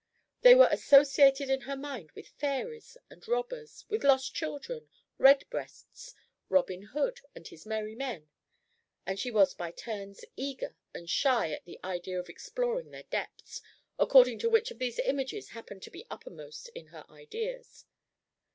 They were associated in her mind with fairies and with robbers, with lost children, redbreasts, Robin Hood and his merry men; and she was by turns eager and shy at the idea of exploring their depths, according to which of these images happened to be uppermost in her ideas.